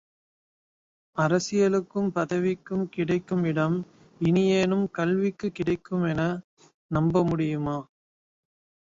அரசியலுக்கும் புதவிக்கும் கிடைக்குமிடம் இனியேனும் கல்விக்குக் கிடைக்குமென நம்பமுடியுமா?